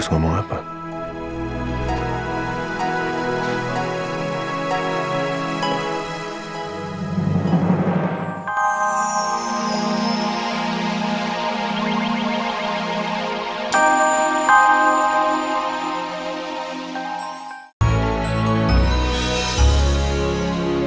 saya tunggu di luar